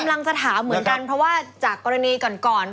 กำลังจะถามเหมือนกันเพราะว่าจากกรณีก่อนก่อน